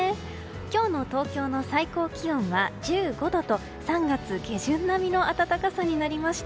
今日の東京の最高気温は１５度と３月下旬並みの暖かさになりました。